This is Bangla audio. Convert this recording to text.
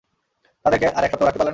তাদেরকে আর এক সপ্তাহ রাখতে পারলে না।